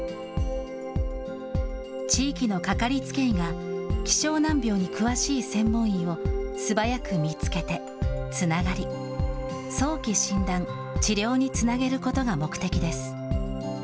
地域のかかりつけ医が、希少難病に詳しい専門医を素早く見つけて、つながり、早期診断、治療につなげることが目的です。